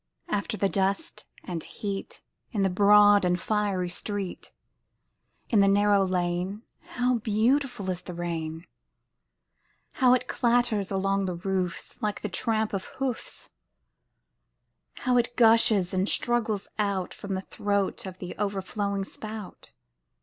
After the dust and heat, In the broad and fiery street, In the narrow lane, How beautiful is the rain! How it clatters along the roofs Like the tramp of hoofs! How it gushes and struggles out From the throat of the overflowing spout